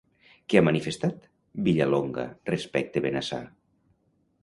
Què ha manifestat, Villalonga, respecte Bennasar?